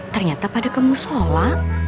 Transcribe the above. ternyata pada ke musola